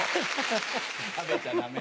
食べちゃダメ。